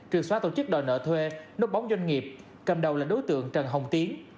trừ xóa tổ chức đòi nợ thuê nốt bóng doanh nghiệp cầm đầu là đối tượng trần hồng tiến